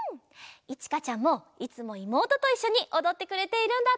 いちかちゃんもいつもいもうとといっしょにおどってくれているんだって。